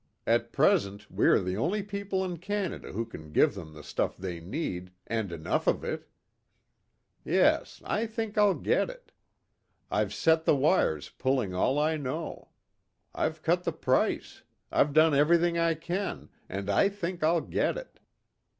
At present we are the only people in Canada who can give them the stuff they need, and enough of it. Yes, I think I'll get it. I've set the wires pulling all I know. I've cut the price. I've done everything I can, and I think I'll get it.